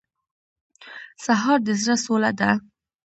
سهار د زړه سوله ده.